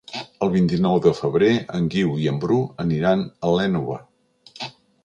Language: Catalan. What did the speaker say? El vint-i-nou de febrer en Guiu i en Bru aniran a l'Énova.